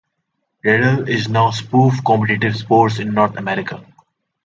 Dreidel is now a spoof competitive sport in North America.